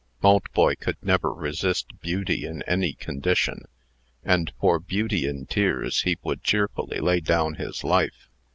Maltboy never could resist Beauty in any condition; and, for Beauty in tears, he would cheerfully lay down his life.